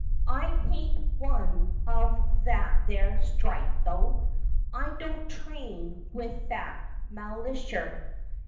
I haint one of that thaar stripe, tho\ I don't train with that malisher.